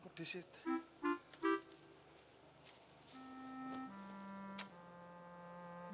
masih di sini